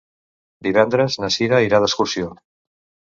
Divendres na Cira irà d'excursió.